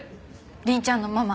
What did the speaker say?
凛ちゃんのママ。